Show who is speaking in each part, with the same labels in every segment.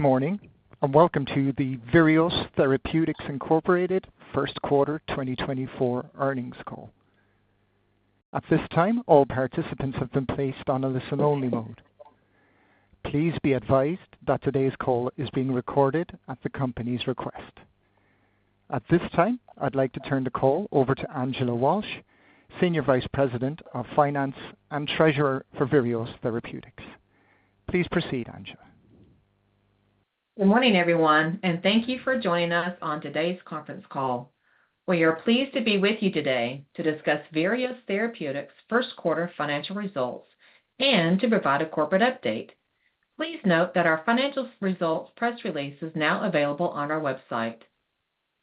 Speaker 1: Good morning and welcome to the Virios Therapeutics Incorporated First Quarter 2024 Earnings Call. At this time, all participants have been placed on a listen-only mode. Please be advised that today's call is being recorded at the company's request. At this time, I'd like to turn the call over to Angela Walsh, Senior Vice President of Finance and Treasurer for Virios Therapeutics. Please proceed, Angela.
Speaker 2: Good morning, everyone, and thank you for joining us on today's conference call. We are pleased to be with you today to discuss Virios Therapeutics' first quarter financial results and to provide a corporate update. Please note that our financial results press release is now available on our website.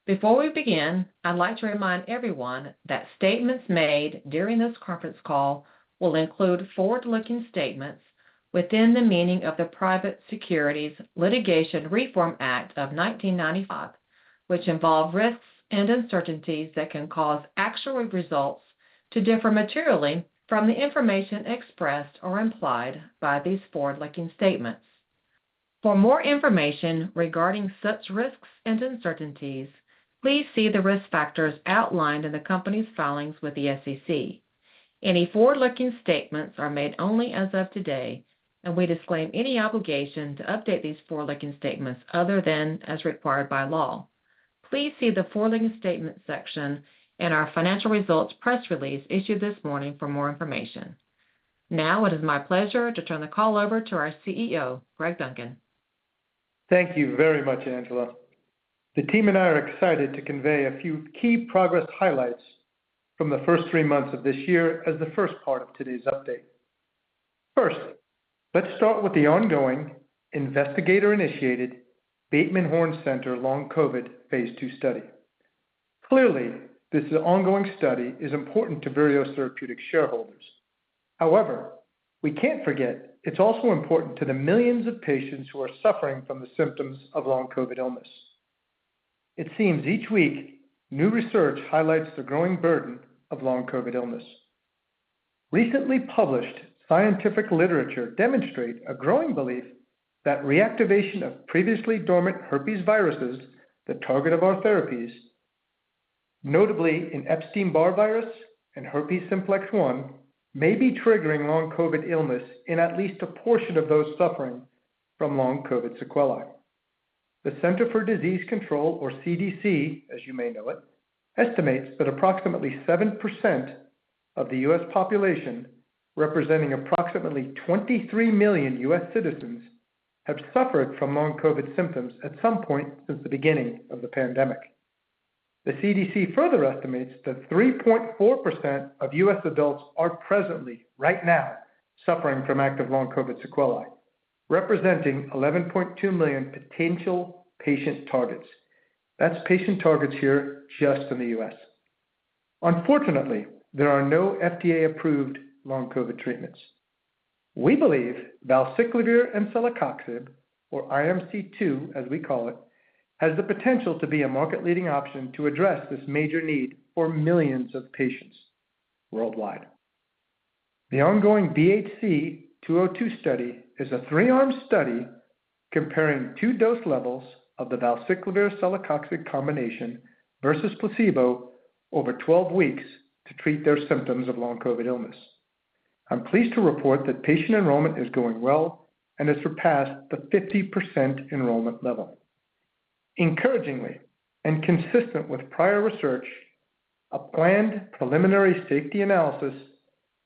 Speaker 2: Before we begin, I'd like to remind everyone that statements made during this conference call will include forward-looking statements within the meaning of the Private Securities Litigation Reform Act of 1995, which involve risks and uncertainties that can cause actual results to differ materially from the information expressed or implied by these forward-looking statements. For more information regarding such risks and uncertainties, please see the risk factors outlined in the company's filings with the SEC. Any forward-looking statements are made only as of today, and we disclaim any obligation to update these forward-looking statements other than as required by law. Please see the forward-looking statements section in our financial results press release issued this morning for more information. Now it is my pleasure to turn the call over to our CEO, Greg Duncan.
Speaker 3: Thank you very much, Angela. The team and I are excited to convey a few key progress highlights from the first three months of this year as the first part of today's update. First, let's start with the ongoing, investigator-initiated Bateman Horne Center Long COVID Phase II study. Clearly, this ongoing study is important to Virios Therapeutics shareholders. However, we can't forget it's also important to the millions of patients who are suffering from the symptoms of Long COVID illness. It seems each week new research highlights the growing burden of Long COVID illness. Recently published scientific literature demonstrates a growing belief that reactivation of previously dormant herpes viruses, the target of our therapies, notably in Epstein-Barr virus and herpes simplex 1, may be triggering Long COVID illness in at least a portion of those suffering from Long COVID sequelae. The Centers for Disease Control and Prevention, or CDC as you may know it, estimates that approximately 7% of the U.S. population, representing approximately 23 million U.S. citizens, have suffered from Long COVID symptoms at some point since the beginning of the pandemic. The CDC further estimates that 3.4% of U.S. adults are presently, right now, suffering from active Long COVID sequelae, representing 11.2 million potential patient targets. That's patient targets here just in the U.S. Unfortunately, there are no FDA-approved Long COVID treatments. We believe valacyclovir and celecoxib, or IMC-2 as we call it, has the potential to be a market-leading option to address this major need for millions of patients worldwide. The ongoing BHC-202 study is a three-arm study comparing two dose levels of the valacyclovir/celecoxib combination versus placebo over 12 weeks to treat their symptoms of Long COVID illness. I'm pleased to report that patient enrollment is going well and has surpassed the 50% enrollment level. Encouragingly and consistent with prior research, a planned preliminary safety analysis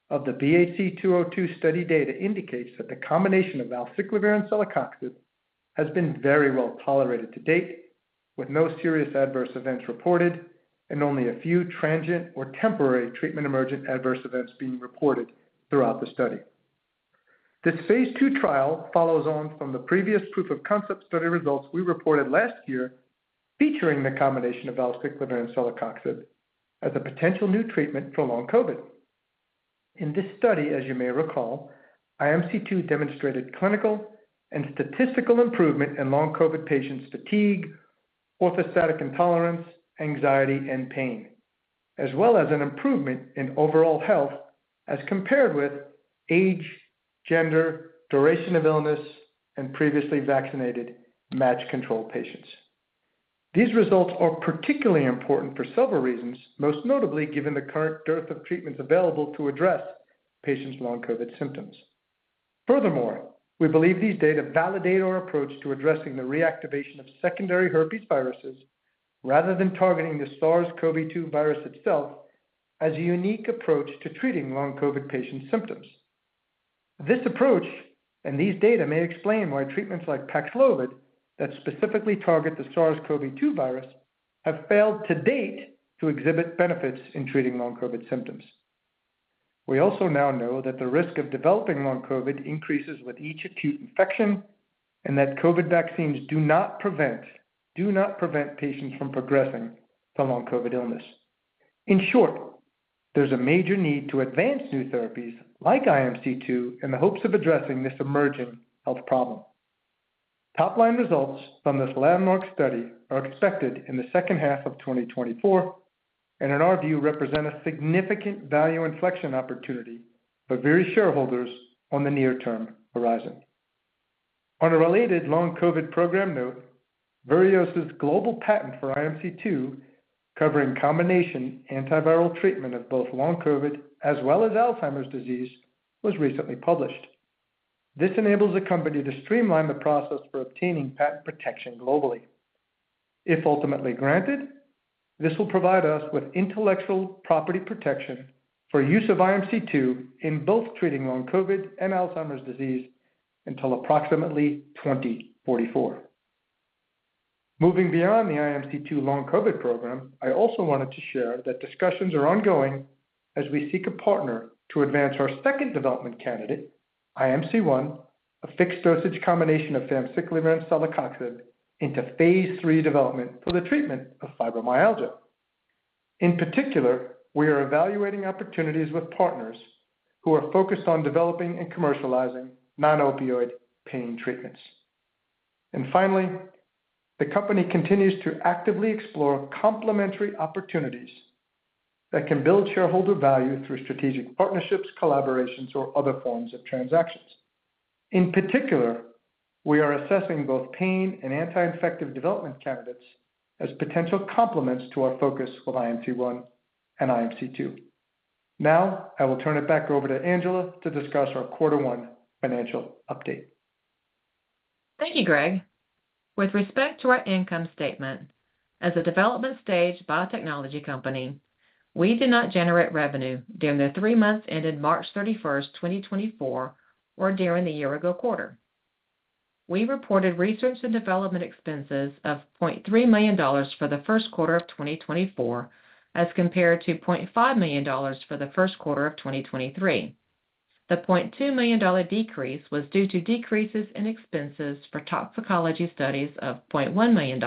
Speaker 3: of the BHC-202 study data indicates that the combination of valacyclovir and celecoxib has been very well tolerated to date, with no serious adverse events reported and only a few transient or temporary treatment-emergent adverse events being reported throughout the study. This Phase II trial follows on from the previous proof-of-concept study results we reported last year featuring the combination of valacyclovir and celecoxib as a potential new treatment for Long COVID. In this study, as you may recall, IMC-2 demonstrated clinical and statistical improvement in Long COVID patients' fatigue, orthostatic intolerance, anxiety, and pain, as well as an improvement in overall health as compared with age, gender, duration of illness, and previously vaccinated matched control patients. These results are particularly important for several reasons, most notably given the current dearth of treatments available to address patients' Long COVID symptoms. Furthermore, we believe these data validate our approach to addressing the reactivation of secondary herpes viruses rather than targeting the SARS-CoV-2 virus itself as a unique approach to treating Long COVID patients' symptoms. This approach and these data may explain why treatments like Paxlovid that specifically target the SARS-CoV-2 virus have failed to date to exhibit benefits in treating Long COVID symptoms. We also now know that the risk of developing Long COVID increases with each acute infection and that COVID vaccines do not prevent patients from progressing to Long COVID illness. In short, there's a major need to advance new therapies like IMC-2 in the hopes of addressing this emerging health problem. Top-line results from this landmark study are expected in the second half of 2024 and, in our view, represent a significant value inflection opportunity for Virios shareholders on the near-term horizon. On a related Long COVID program note, Virios' global patent for IMC-2 covering combination antiviral treatment of both Long COVID as well as Alzheimer's disease was recently published. This enables the company to streamline the process for obtaining patent protection globally. If ultimately granted, this will provide us with intellectual property protection for use of IMC-2 in both treating Long COVID and Alzheimer's disease until approximately 2044. Moving beyond the IMC-2 Long COVID program, I also wanted to share that discussions are ongoing as we seek a partner to advance our second development candidate, IMC-1, a fixed-dose combination of famciclovir and celecoxib, into Phase III development for the treatment of fibromyalgia. In particular, we are evaluating opportunities with partners who are focused on developing and commercializing non-opioid pain treatments. And finally, the company continues to actively explore complementary opportunities that can build shareholder value through strategic partnerships, collaborations, or other forms of transactions. In particular, we are assessing both pain and anti-infective development candidates as potential complements to our focus with IMC-1 and IMC-2. Now I will turn it back over to Angela to discuss our quarter one financial update.
Speaker 2: Thank you, Greg. With respect to our income statement, as a development-stage biotechnology company, we did not generate revenue during the three months ended March 31, 2024, or during the year-ago quarter. We reported research and development expenses of $0.3 million for the first quarter of 2024 as compared to $0.5 million for the first quarter of 2023. The $0.2 million decrease was due to decreases in expenses for toxicology studies of $0.1 million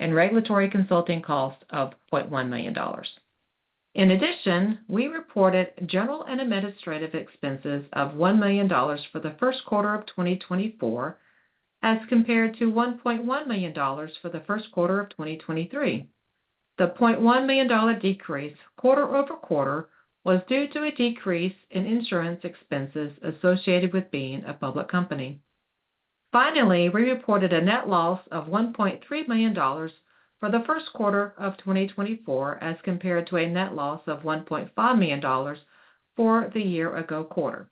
Speaker 2: and regulatory consulting costs of $0.1 million. In addition, we reported general and administrative expenses of $1 million for the first quarter of 2024 as compared to $1.1 million for the first quarter of 2023. The $0.1 million decrease quarter-over-quarter was due to a decrease in insurance expenses associated with being a public company. Finally, we reported a net loss of $1.3 million for the first quarter of 2024 as compared to a net loss of $1.5 million for the year-ago quarter.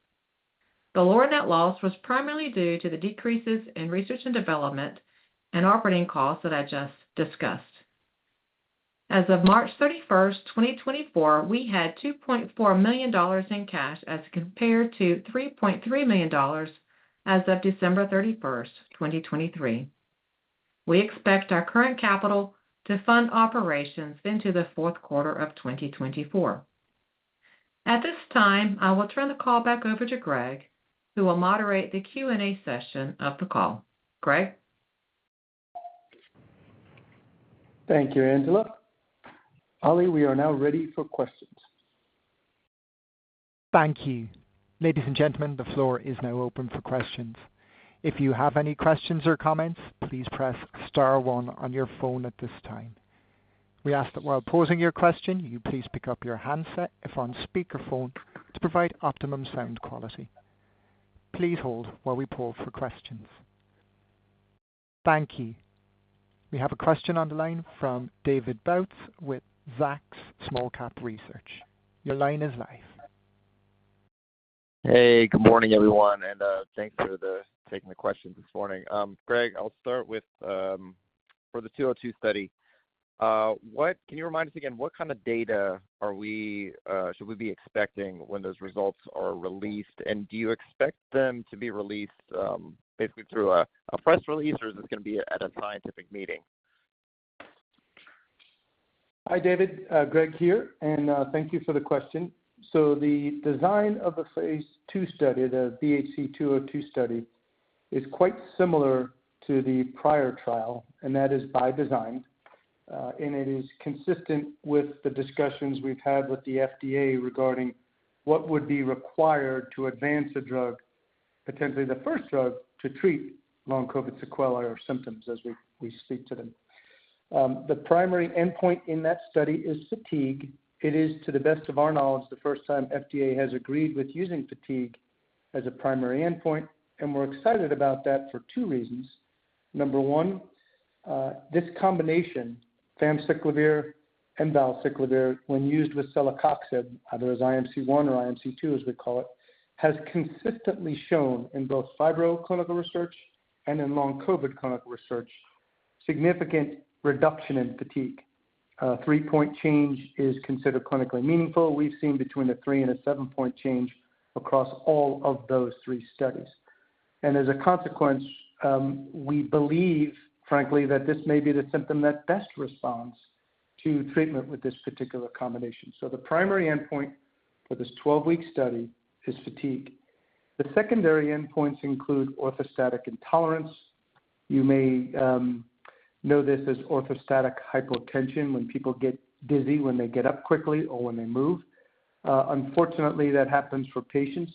Speaker 2: The lower net loss was primarily due to the decreases in research and development and operating costs that I just discussed. As of March 31, 2024, we had $2.4 million in cash as compared to $3.3 million as of December 31, 2023. We expect our current capital to fund operations into the fourth quarter of 2024. At this time, I will turn the call back over to Greg, who will moderate the Q&A session of the call. Greg?
Speaker 3: Thank you, Angela. Ollie, we are now ready for questions.
Speaker 1: Thank you. Ladies and gentlemen, the floor is now open for questions. If you have any questions or comments, please press star one on your phone at this time. We ask that while posing your question, you please pick up your handset if on speakerphone to provide optimum sound quality. Please hold while we pull for questions. Thank you. We have a question on the line from David Bautz with Zacks Small-Cap Research. Your line is live.
Speaker 4: Hey, good morning, everyone, and thanks for taking the questions this morning. Greg, I'll start with for the 202 study, can you remind us again what kind of data should we be expecting when those results are released? And do you expect them to be released basically through a press release, or is this going to be at a scientific meeting?
Speaker 3: Hi, David. Greg here, and thank you for the question. So the design of the Phase II study, the BHC-202 study, is quite similar to the prior trial, and that is bi-designed, and it is consistent with the discussions we've had with the FDA regarding what would be required to advance a drug, potentially the first drug, to treat Long COVID sequelae or symptoms as we speak to them. The primary endpoint in that study is fatigue. It is, to the best of our knowledge, the first time FDA has agreed with using fatigue as a primary endpoint, and we're excited about that for two reasons. Number one, this combination, famciclovir and valacyclovir, when used with celecoxib, either as IMC-1 or IMC-2 as we call it, has consistently shown in both fibro-clinical research and in Long COVID clinical research significant reduction in fatigue. A three-point change is considered clinically meaningful. We've seen between a three and seven-point change across all of those three studies. As a consequence, we believe, frankly, that this may be the symptom that best responds to treatment with this particular combination. The primary endpoint for this 12-week study is fatigue. The secondary endpoints include orthostatic intolerance. You may know this as orthostatic hypotension, when people get dizzy when they get up quickly or when they move. Unfortunately, that happens for patients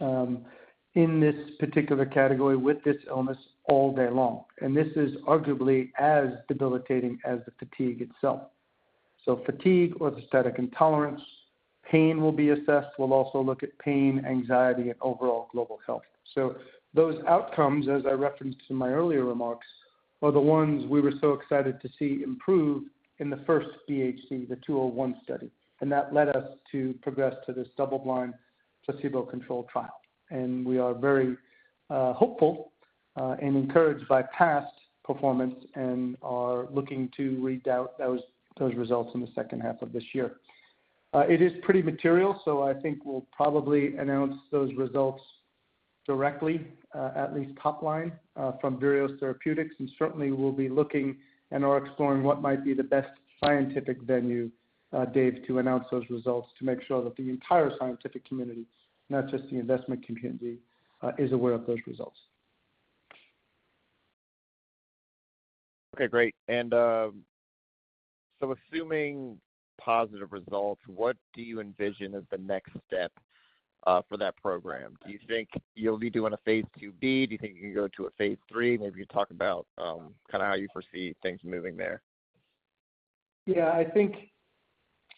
Speaker 3: in this particular category with this illness all day long. This is arguably as debilitating as the fatigue itself. Fatigue, orthostatic intolerance, pain will be assessed. We'll also look at pain, anxiety, and overall global health. Those outcomes, as I referenced in my earlier remarks, are the ones we were so excited to see improve in the first BHC, the 201 study. That led us to progress to this double-blind placebo-controlled trial. We are very hopeful and encouraged by past performance and are looking to read out those results in the second half of this year. It is pretty material, so I think we'll probably announce those results directly, at least top line, from Virios Therapeutics. Certainly, we'll be looking and/or exploring what might be the best scientific venue, Dave, to announce those results to make sure that the entire scientific community, not just the investment community, is aware of those results.
Speaker 4: Okay, great. Assuming positive results, what do you envision as the next step for that program? Do you think you'll be doing a Phase IIb? Do you think you can go to a Phase III? Maybe you can talk about kind of how you foresee things moving there.
Speaker 3: Yeah, I think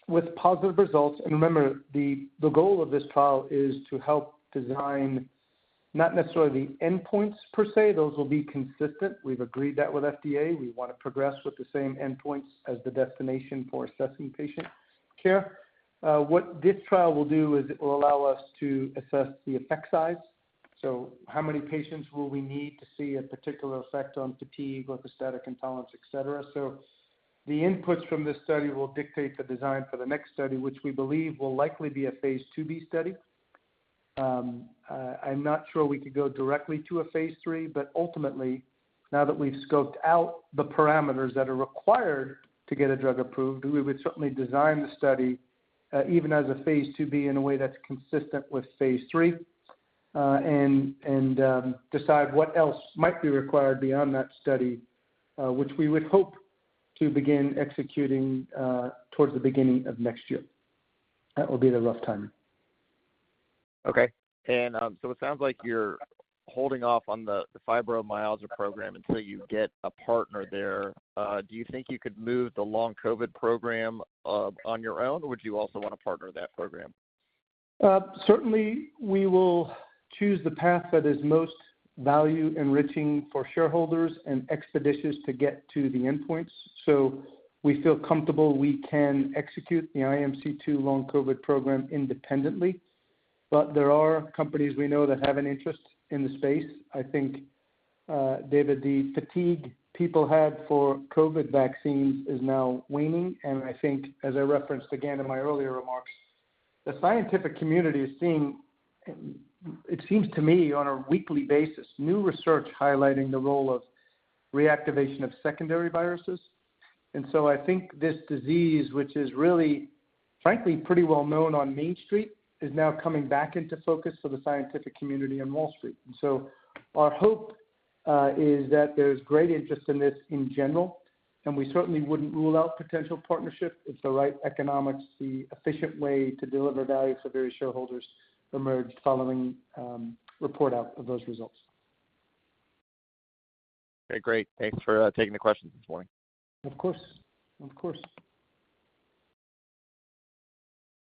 Speaker 3: with positive results, and remember, the goal of this trial is to help design not necessarily the endpoints per se. Those will be consistent. We've agreed that with FDA. We want to progress with the same endpoints as the destination for assessing patient care. What this trial will do is it will allow us to assess the effect size. So how many patients will we need to see a particular effect on fatigue, orthostatic intolerance, et cetera? So the inputs from this study will dictate the design for the next study, which we believe will likely be a Phase IIb study. I'm not sure we could go directly to a Phase III, but ultimately, now that we've scoped out the parameters that are required to get a drug approved, we would certainly design the study even as a Phase IIb in a way that's consistent with Phase III and decide what else might be required beyond that study, which we would hope to begin executing towards the beginning of next year. That will be the rough timing.
Speaker 4: Okay. And so it sounds like you're holding off on the fibromyalgia program until you get a partner there. Do you think you could move the Long COVID program on your own, or would you also want to partner that program?
Speaker 3: Certainly, we will choose the path that is most value enriching for shareholders and expeditious to get to the endpoints. So we feel comfortable we can execute the IMC-2 Long COVID program independently. But there are companies we know that have an interest in the space. I think, David, the fatigue people had for COVID vaccines is now waning. And I think, as I referenced again in my earlier remarks, the scientific community is seeing, it seems to me, on a weekly basis, new research highlighting the role of reactivation of secondary viruses. And so I think this disease, which is really, frankly, pretty well known on Main Street, is now coming back into focus for the scientific community on Wall Street. So our hope is that there's great interest in this in general, and we certainly wouldn't rule out potential partnership if the right economics, the efficient way to deliver value for Virios shareholders emerged following report out of those results.
Speaker 4: Okay, great. Thanks for taking the questions this morning.
Speaker 3: Of course. Of course.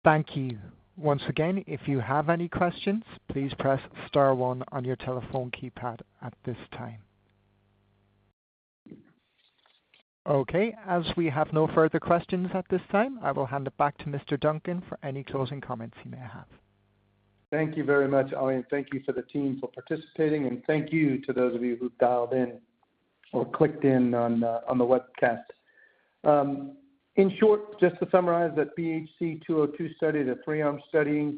Speaker 1: Thank you. Once again, if you have any questions, please press star one on your telephone keypad at this time. Okay. As we have no further questions at this time, I will hand it back to Mr. Duncan for any closing comments he may have.
Speaker 3: Thank you very much, Ollie, and Thank you for the team for participating, and thank you to those of you who've dialed in or clicked in on the webcast. In short, just to summarize, that BHC-202 study, the three-arm study,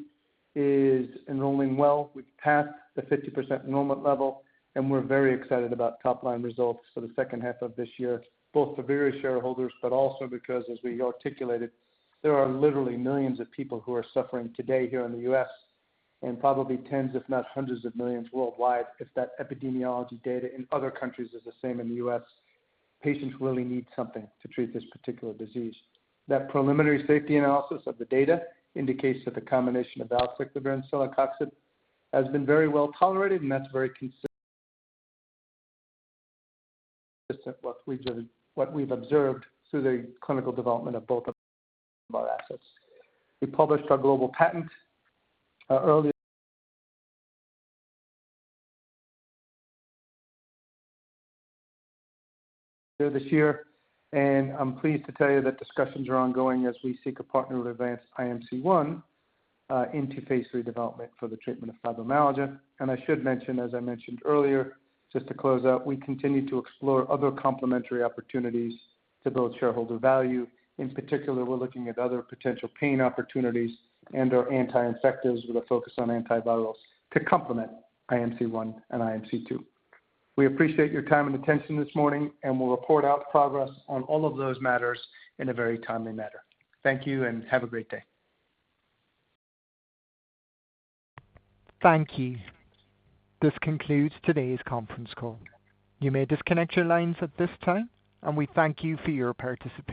Speaker 3: is enrolling well. We've passed the 50% enrollment level, and we're very excited about top-line results for the second half of this year, both for Virios shareholders but also because, as we articulated, there are literally millions of people who are suffering today here in the U.S. and probably tens, if not hundreds of millions worldwide. If that epidemiology data in other countries is the same in the U.S., patients really need something to treat this particular disease. That preliminary safety analysis of the data indicates that the combination of valacyclovir and celecoxib has been very well tolerated, and that's very consistent with what we've observed through the clinical development of both of our assets. We published our global patent earlier this year, and I'm pleased to tell you that discussions are ongoing as we seek a partner to advance IMC-1 into Phase III development for the treatment of fibromyalgia. I should mention, as I mentioned earlier, just to close out, we continue to explore other complementary opportunities to build shareholder value. In particular, we're looking at other potential pain opportunities and/or anti-infectives with a focus on antivirals to complement IMC-1 and IMC-2. We appreciate your time and attention this morning, and we'll report out progress on all of those matters in a very timely manner. Thank you, and have a great day.
Speaker 1: Thank you. This concludes today's conference call. You may disconnect your lines at this time, and we thank you for your participation.